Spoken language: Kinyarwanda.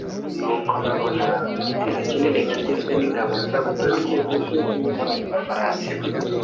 nuko babona igitero kinini kigizwe n'ingabo z'abanyamaguru n'abanyamafarasi